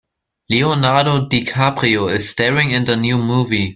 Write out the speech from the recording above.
Leonardo DiCaprio is staring in the new movie.